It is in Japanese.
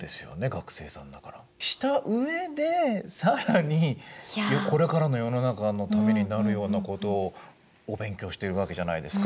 したうえで更にこれからの世の中のためになるようなことをお勉強してるわけじゃないですか。